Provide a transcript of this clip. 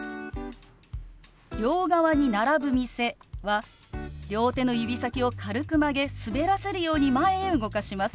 「両側に並ぶ店」は両手の指先を軽く曲げ滑らせるように前へ動かします。